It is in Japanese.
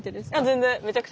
全然。